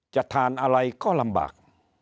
จะทานอะไรก็ลำบาก